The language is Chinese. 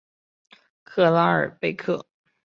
克拉尔贝克。